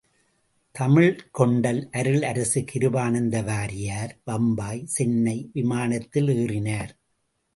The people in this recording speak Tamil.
தமிழ்க்கொண்டல் அருளரசு கிருபானந்தவாரியார் பம்பாய் சென்னை விமானத்தில் ஏறினார்!